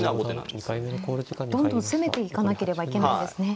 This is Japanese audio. どんどん攻めていかなければいけないんですね。